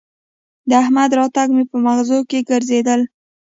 د احمد راتګ مې به مغزو کې ګرځېدل